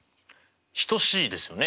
等しいですよね？